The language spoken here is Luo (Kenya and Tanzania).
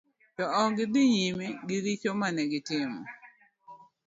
To ok gi dhi nyime gi richo mane gitimo.